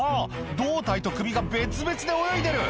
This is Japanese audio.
胴体と首が別々で泳いでる！